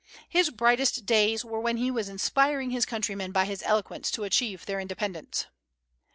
His brightest days were when he was inspiring his countrymen by his eloquence to achieve their independence.